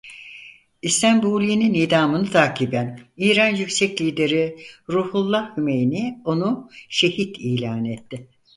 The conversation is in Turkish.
İslâmbûlî'nin idamını takiben İran Yüksek Lideri Ruhullah Humeyni onu şehit ilan etti.